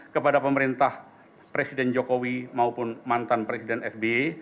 kepada pemerintah presiden jokowi maupun mantan presiden sby